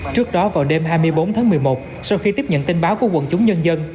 trước đó vào đêm hai mươi bốn tháng một mươi một sau khi tiếp nhận tin báo của quận chúng nhân dân